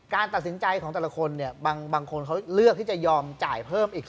การตัดสินใจของแต่ละคนเนี่ยบางคนเขาเลือกที่จะยอมจ่ายเพิ่มอีก